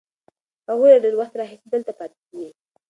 هغوی له ډېر وخت راهیسې دلته پاتې دي.